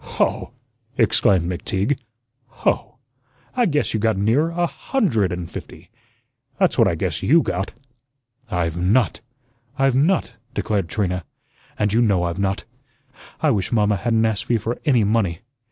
"Hoh!" exclaimed McTeague. "Hoh! I guess you got nearer a hundred AN' fifty. That's what I guess YOU got." "I've NOT, I've NOT," declared Trina, "and you know I've not. I wish mamma hadn't asked me for any money.